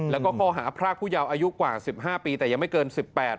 แล้วก็ข้อหาพรากผู้ยาวอายุกว่า๑๕ปีแต่ยังไม่เกิน๑๘ปี